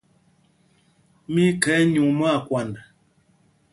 Mí í khɛ̌y nyûŋ mwâkwand.